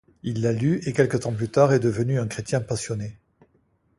Il l'a lue, et quelque temps plus tard est devenu un chrétien passionné.